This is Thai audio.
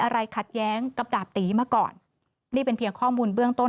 ขัดแย้งกับดาบตีมาก่อนนี่เป็นเพียงข้อมูลเบื้องต้น